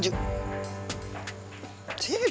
bang kubar selesai liat